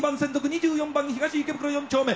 ２４番東池袋四丁目。